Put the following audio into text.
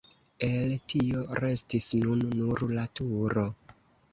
El tio restis nun nur la turo.